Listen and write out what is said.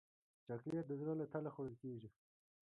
چاکلېټ د زړه له تله خوړل کېږي.